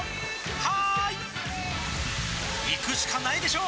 「はーい」いくしかないでしょ！